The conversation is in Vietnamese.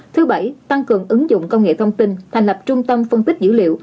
thứ bảy tăng cường ứng dụng công nghệ thông tin thành lập trung tâm phân tích dữ liệu